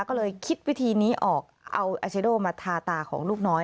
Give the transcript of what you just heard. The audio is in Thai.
ก็เลยคิดวิธีนี้ออกเอาอาเชโดมาทาตาของลูกน้อย